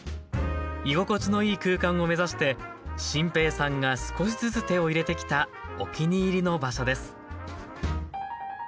居心地のいい空間を目指して心平さんが少しずつ手を入れてきたお気に入りの場所です。